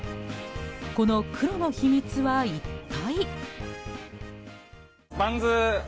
この黒の秘密は、一体？